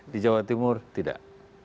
di jawa timur tidak